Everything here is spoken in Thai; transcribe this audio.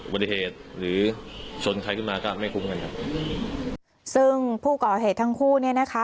ปฏิเหตุหรือชนใครขึ้นมาก็ไม่คุ้มกันครับซึ่งผู้ก่อเหตุทั้งคู่เนี่ยนะคะ